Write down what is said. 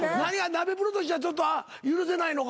ナベプロとしてはちょっと許せないのか？